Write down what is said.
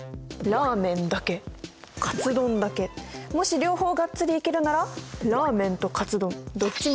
ラーメンだけかつ丼だけもし両方がっつりいけるならラーメンとかつ丼どっちもオーケー！